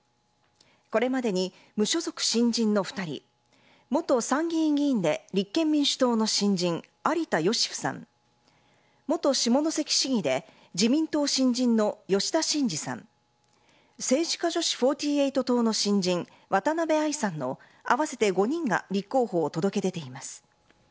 これまでに無所属新人の２人、元参議院議員で立憲民主党の新人、有田芳生さん、元下関市議で自民党新人の吉田真次さん、政治家女子４８党の新人、渡部亜衣さんの合わせて５人が立候補を届け出ています。